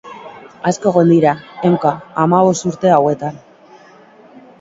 Asko egon dira, ehunka, hamabost urte hauetan.